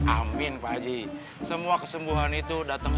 amin pak haji semua kesembuhan ya allah ta'ala